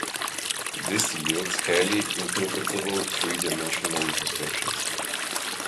This yields highly interpretable three dimensional reconstructions.